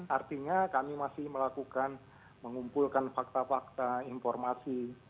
artinya kami masih melakukan mengumpulkan fakta fakta informasi